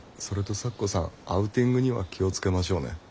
それと咲子さんアウティングには気を付けましょうね。